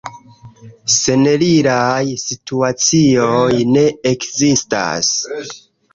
Seneliraj situacioj ne ekzistas.